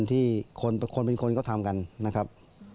ที่คนเป็นคนก็ทำกันนะครับ